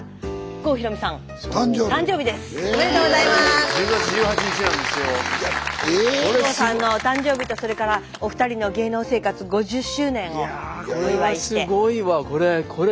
郷さんのお誕生日とそれからお二人の芸能生活５０周年をお祝いして。